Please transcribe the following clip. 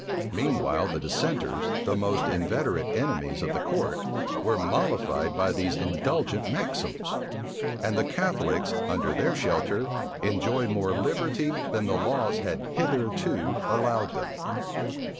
Meanwhile the dissenters, the most inveterate enemies of the court, were mollified by these indulgent maxims: and the Catholics, under their shelter, enjoyed more liberty than the laws had hitherto allowed them.